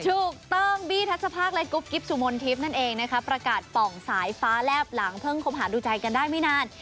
ถูกเติมบี้ทัชภาคและกรุ๊ปกิฟต์สุมนต์ทิศนั่นเองประกาศป่องสายฟ้าแลบหลางเพิ่งคมหาดูใจกันได้ไม่นาน